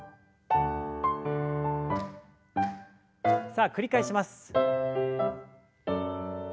さあ繰り返します。